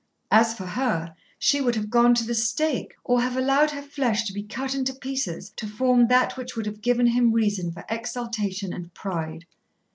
As for her, she would have gone to the stake, or have allowed her flesh to be cut into pieces to form that which would have given him reason for exultation and pride.